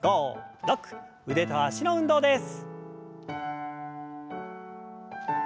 腕と脚の運動です。